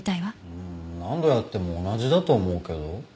何度やっても同じだと思うけど。